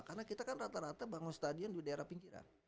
karena kita kan rata rata bangun stadion di daerah pinggiran